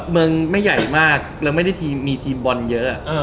เมืองไม่ใหญ่มากแล้วไม่ได้มีทีมบอลเยอะ